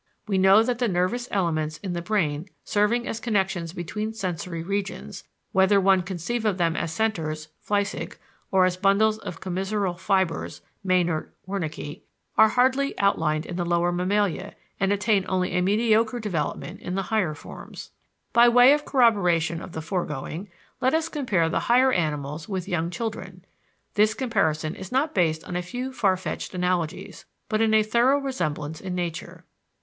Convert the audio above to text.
We know that the nervous elements in the brain serving as connections between sensory regions whether one conceive of them as centers (Flechsig), or as bundles of commisural fibers (Meynert, Wernicke) are hardly outlined in the lower mammalia and attain only a mediocre development in the higher forms. By way of corroboration of the foregoing, let us compare the higher animals with young children: this comparison is not based on a few far fetched analogies, but in a thorough resemblance in nature.